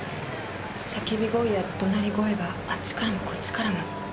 叫び声や怒鳴り声があっちからもこっちからも。